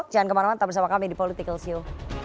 jangan kemana mana tetap bersama kami di politikalsio